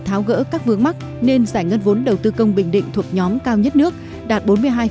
tháo gỡ các vướng mắc nên giải ngân vốn đầu tư công bình định thuộc nhóm cao nhất nước đạt bốn mươi hai